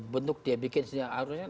bentuk dia bikin sebenarnya